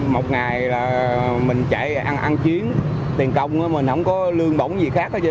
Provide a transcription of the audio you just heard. một ngày là mình chạy ăn chiến tiền công mình không có lương bổng gì khác hết chứ